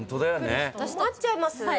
困っちゃいます。